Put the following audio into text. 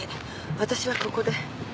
私はここで。